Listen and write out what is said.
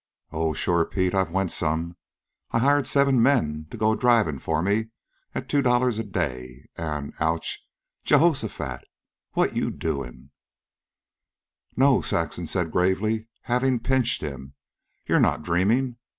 "Oh, sure Pete, I've went some. I hired seven men to go drivin' for me at two dollars a day, an' ouch! Jehosaphat! What you doin'!" "No," Saxon said gravely, having pinched him, "you're not dreaming."